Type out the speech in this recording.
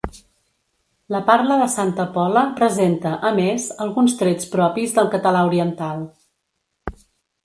La parla de Santa Pola presenta, a més, alguns trets propis del català oriental.